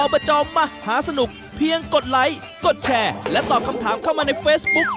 บจมหาสนุกเพียงกดไลค์กดแชร์และตอบคำถามเข้ามาในเฟซบุ๊ก